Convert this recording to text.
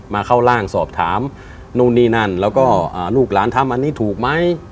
เข้าร่างสอบถามนู่นนี่นั่นแล้วก็ลูกหลานทำอันนี้ถูกไหม